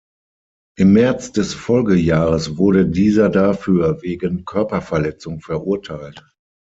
Im März des Folgejahres wurde dieser dafür wegen Körperverletzung verurteilt.